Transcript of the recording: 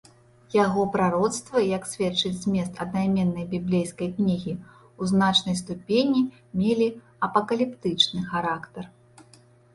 Яго прароцтвы, як сведчыць змест аднайменнай біблейскай кнігі, у значнай ступені мелі апакаліптычны характар.